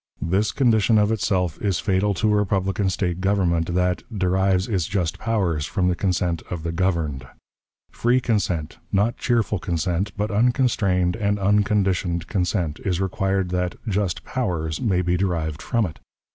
This condition of itself is fatal to a republican State government, that "derives its just powers from the consent of the governed." Free consent not cheerful consent, but unconstrained and unconditioned consent is required that "just powers" may be derived from it.